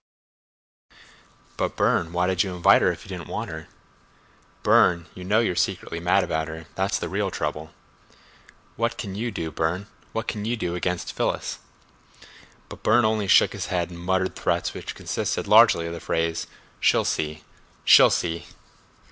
"But, Burne—why did you invite her if you didn't want her?" "Burne, you know you're secretly mad about her—that's the real trouble." "What can you do, Burne? What can you do against Phyllis?" But Burne only shook his head and muttered threats which consisted largely of the phrase: "She'll see, she'll see!"